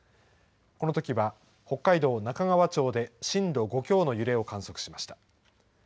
このときは、北海道中川町で震度５強の揺れを観測しました。